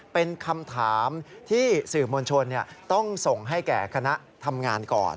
เป็นคำถามที่สื่อมวลชนต้องส่งให้แก่คณะทำงานก่อน